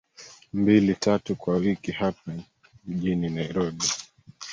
mbili tatu kwa wiki hapa mjini nairobi